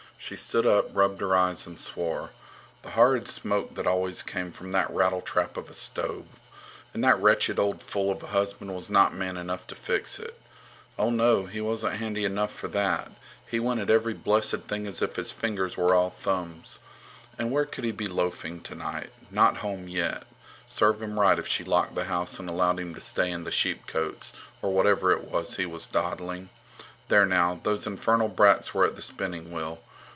She stood up, rubbed her eyes and swore. The horrid smoke that always came from that rattletrap of a stove! And that wretched old fool of a husband was not man enough to fix it! Oh, no, he wasn't handy enough for that; he went at every blessed thing as if his fingers were all thumbs. And where could he be loafing tonight? Not home yet! Serve him right if she locked the house and allowed him to stay in the sheepcotes, or wherever it was he was dawdling. There now, those infernal brats were at the spinning wheel.